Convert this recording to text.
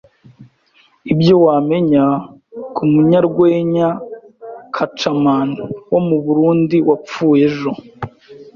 Ibyo wamenya ku munyarwenya Kacaman wo mu Burundi wapfuye ejo